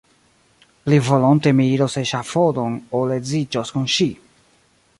Pli volonte mi iros eŝafodon, ol edziĝos kun ŝi!